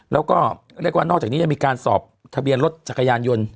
แล้วก็เรียกว่านอกจากนี้ยังมีการสอบทะเบียนรถจักรยานยนต์